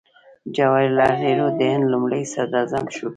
جواهر لال نهرو د هند لومړی صدراعظم شو.